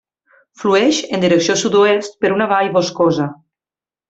Flueix en direcció sud-oest per una vall boscosa.